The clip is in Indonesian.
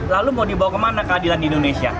lalu mau dibawa kemana ke adilan di indonesia